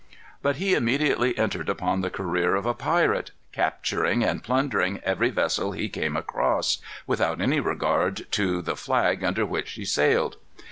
But he immediately entered upon the career of a pirate, capturing and plundering every vessel he came across, without any regard to the flag under which she sailed.